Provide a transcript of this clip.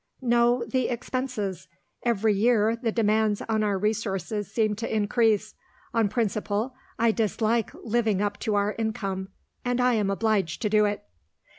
"No. The expenses. Every year, the demands on our resources seem to increase. On principle, I dislike living up to our income and I am obliged to do it."